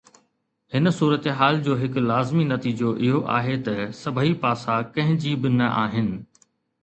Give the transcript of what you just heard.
هن صورتحال جو هڪ لازمي نتيجو اهو آهي ته سڀئي پاسا ڪنهن جي به نه آهن.